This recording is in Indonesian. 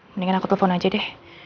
mendingan aku telepon aja deh